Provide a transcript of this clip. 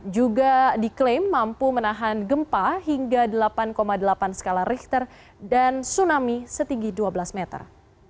juga diklaim mampu menahan gempa hingga delapan delapan skala richter dan tsunami setinggi dua belas meter